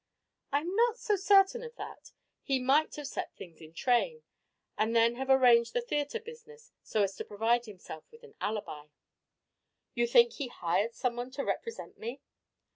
"I'm not so certain of that. He might have set things in train, and then have arranged the theatre business so as to provide himself with an alibi." "You think he hired someone to represent me?"